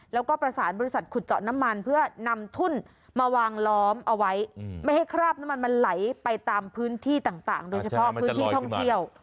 แล้วก็ประสานบริษัทขุดเจาะน้ำมันเพื่อนำทุ่นมาวางล้อมเอาไว้ไม่ให้คราบน้ำมันมันไหลไปตามพื้นที่ต่างโดยเฉพาะพื้นที่ท่องเที่ยว